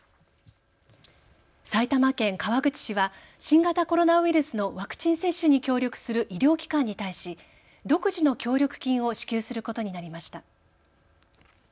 埼玉県川口市は新型コロナウイルスのワクチン接種に協力する医療機関に対し独自の協力金を支給することになりました。